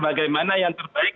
bagaimana yang terbaik